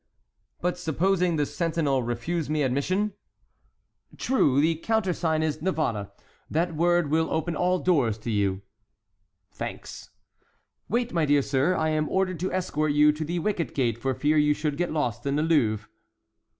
"But supposing the sentinel refuse me admission." "True: the countersign is 'Navarre;' that word will open all doors to you." "Thanks." "Wait, my dear sir, I am ordered to escort you to the wicket gate for fear you should get lost in the Louvre."